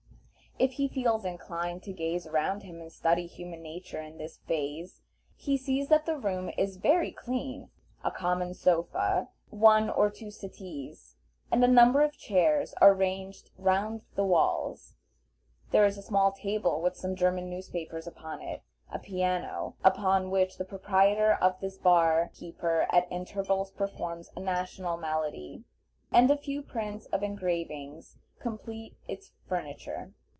If he feels inclined to gaze around him and study human nature in this phase, he sees that the room is very clean; a common sofa, one or two settees, and a number of chairs are ranged round the walls; there is a small table with some German newspapers upon it; a piano, upon which the proprietor or his bar keeper at intervals performs a national melody; and a few prints or engravings complete its furniture.